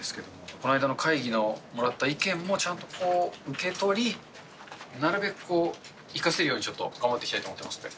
この間の会議のもらった意見もちゃんと受け取り、なるべくこう、生かせるように、こう、頑張っていきたいと思ってますので。